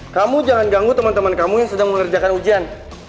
kamu jangan ganggu teman teman kamu yang sedang mengerjakan ujian